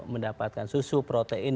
mendapatkan susu protein